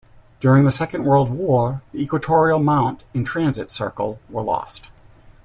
During the Second World War, the equatorial mount and transit circle were lost.